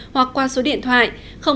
hoặc qua số điện thoại